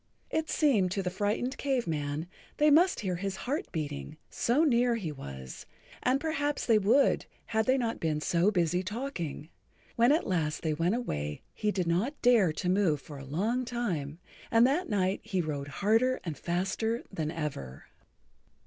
It seemed to the frightened Cave Man they must hear his heart beating, so near he was, and perhaps they would had they not been so busy talking. When at last they went away he did not dare to move for a long time, and that night he rowed harder and faster than ever.